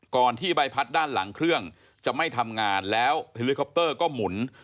ที่ใบพัดด้านหลังเครื่องจะไม่ทำงานแล้วเฮลิคอปเตอร์ก็หมุน